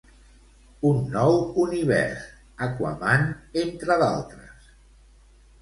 Un nou univers; Aquaman, entre d'altres.